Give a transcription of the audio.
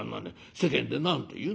世間で何と言う？